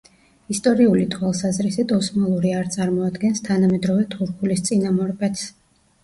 ისტორიული თვალსაზრისით ოსმალური არ წარმოადგენს თანამედროვე თურქულის წინამორბედს.